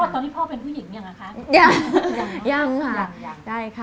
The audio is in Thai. ตอนที่พ่อเป็นผู้หญิงยังอะคะ